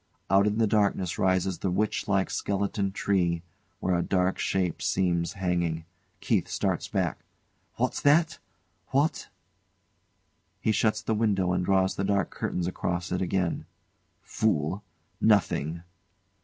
Out in the darkness rises the witch like skeleton tree, where a dark shape seems hanging. KEITH starts back.] What's that? What ! [He shuts the window and draws the dark curtains across it again.] Fool! Nothing!